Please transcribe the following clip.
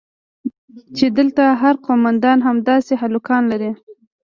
چې دلته هر قومندان همداسې هلکان لري.